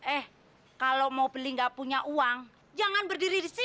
eh kalo mau beli gak punya uang jangan berdiri di sini kalian